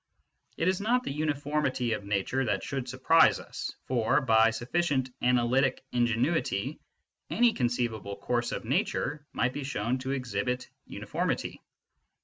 It is not the uniformity of nature that should surprise us, for, by sufficient analytic ingenuity, any conceivable course of nature might be shown to exhibit uniformity.